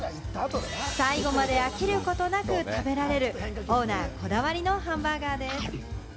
最後まで飽きることなく食べられるオーナーこだわりのハンバーガーです。